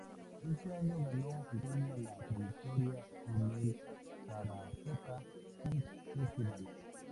Ese año ganó el premio a la trayectoria en el Sarasota Film Festival.